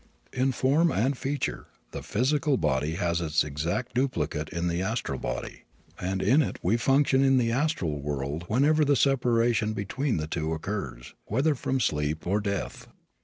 In form and feature the physical body has its exact duplicate in the astral body, and in it we function in the astral world whenever the separation between the two occurs, whether from sleep or death.